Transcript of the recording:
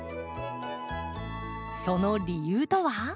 その理由とは？